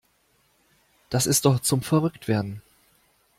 Das ist doch zum verrückt werden.